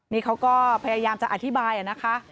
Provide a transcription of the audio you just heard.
นี่เขาก็พยายามจะอธิบายนะคะ